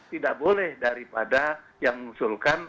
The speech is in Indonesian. tidak boleh daripada yang mengusulkan